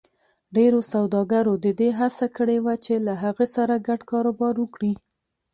ډېرو سوداګرو د دې هڅه کړې وه چې له هغه سره ګډ کاروبار وکړي.